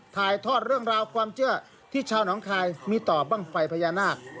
ถ่ายทอดเรื่องราวความเชื่อที่ชาวหนองคายมีต่อบ้างไฟพญานาค